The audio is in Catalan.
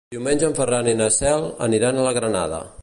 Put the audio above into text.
Diumenge en Ferran i na Cel aniran a la Granada.